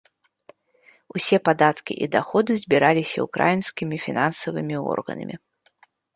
Усе падаткі і даходы збіраліся ўкраінскімі фінансавымі органамі.